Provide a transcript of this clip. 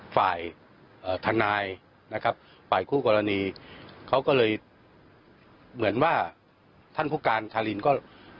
ฝ่ายคุกรณีนะครับเขาก็เลยเหมือนว่าท่านวุฒาการใต้ไล่ออกมานอกห้อง